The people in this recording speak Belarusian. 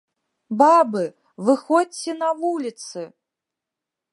Бабы, выходзьце на вуліцы!